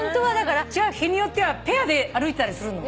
じゃあ日によってはペアで歩いたりするの？